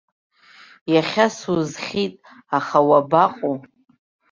Иахьа сузхьит, аха уабаҟоу?